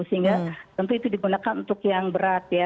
sehingga tentu itu digunakan untuk yang berat ya